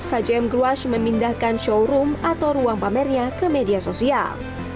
kjm gruash memindahkan showroom atau ruang pamernya ke media sosial